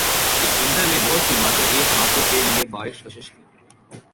اس منظر میں بہت سی باتیں ایک ناظر کے لیے باعث کشش تھیں۔